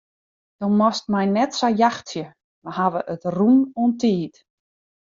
Do moatst my net sa jachtsje, we hawwe it rûm oan tiid.